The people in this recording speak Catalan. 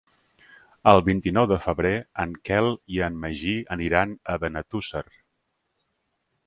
El vint-i-nou de febrer en Quel i en Magí aniran a Benetússer.